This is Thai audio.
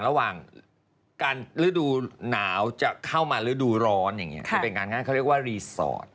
ระหว่างฤดูหนาวจะเข้ามาฤดูร้อนเป็นงานเขาเรียกว่ารีสอร์ท